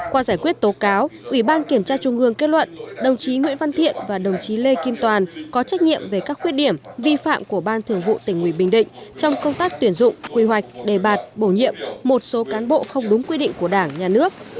qua giải quyết tố cáo ủy ban kiểm tra trung ương kết luận đồng chí nguyễn văn thiện và đồng chí lê kim toàn có trách nhiệm về các khuyết điểm vi phạm của ban thường vụ tỉnh ủy bình định trong công tác tuyển dụng quy hoạch đề bạt bổ nhiệm một số cán bộ không đúng quy định của đảng nhà nước